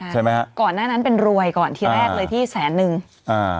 ใช่ไหมฮะก่อนหน้านั้นเป็นรวยก่อนทีแรกเลยที่แสนนึงอ่า